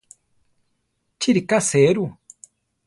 Chi ríka serú?